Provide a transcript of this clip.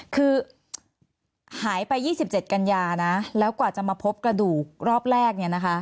คือหายไป๒๗กันยานะแล้วกว่าจะมาพบกระดูกรอบแรกเนี่ยนะคะ